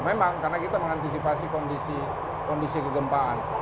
memang karena kita mengantisipasi kondisi kegempaan